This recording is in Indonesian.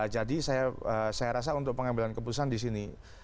jadi saya rasa untuk pengambilan keputusan disini